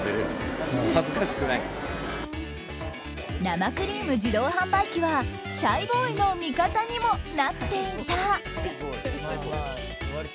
生クリーム自動販売機はシャイボーイの味方にもなっていた。